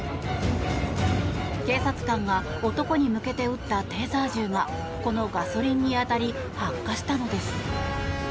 警察官が男に向けて撃ったテーザー銃がこのガソリンに当たり発火したのです。